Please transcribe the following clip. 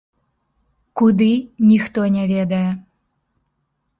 Куды, ніхто не ведае.